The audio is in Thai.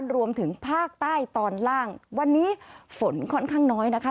รวมถึงภาคใต้ตอนล่างวันนี้ฝนค่อนข้างน้อยนะคะ